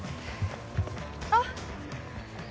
あっ！